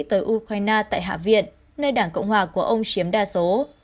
tới ukraine tại hạ viện nơi đảng cộng hòa của ông chiếm đa số